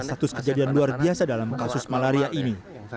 status kejadian luar biasa dalam kasus malaria ini